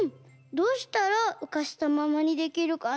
どうしたらうかせたままにできるかな？